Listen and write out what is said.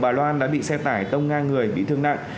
bà loan đã bị xe tải tông ngang người bị thương nặng